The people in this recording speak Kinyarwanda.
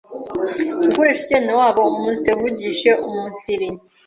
gukoreshe icyenewebo, umunsitevugishe uumunsiri